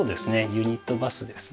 ユニットバスですね。